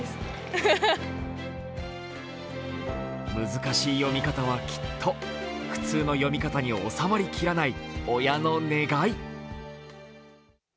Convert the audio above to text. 難しい読み方はきっと普通の読み方に収まりきらない親の願い。